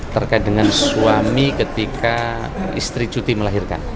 terkait dengan suami ketika istri cuti melahirkan